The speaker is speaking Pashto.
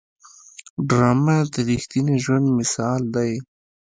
ډرامه د رښتیني ژوند مثال دی